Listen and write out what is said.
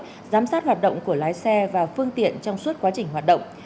theo dõi giám sát hoạt động của lái xe và phương tiện trong suốt quá trình hoạt động